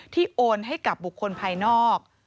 โอนให้กับบุคคลภายนอก